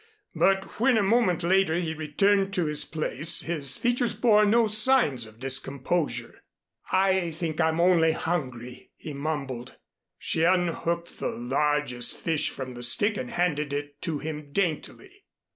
But when a moment later he returned to his place, his features bore no signs of discomposure. "I think I'm only hungry," he mumbled. She unhooked the largest fish from the stick and handed it to him daintily.